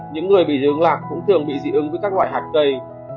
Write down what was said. những người bị dị ứng lạc cũng thường bị dị ứng với các loại hạt cây